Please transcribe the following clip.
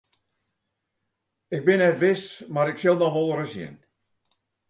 Ik bin net wis mar ik sil noch wolris sjen.